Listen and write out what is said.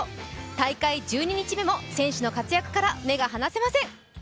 大会１２日目も選手の活躍から目が離せません。